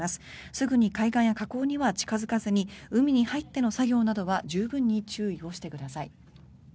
すぐに海岸や河口には近付かずに海に入っての作業などは十分に注意をしてください。